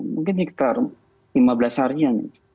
mungkin sekitar lima belas harian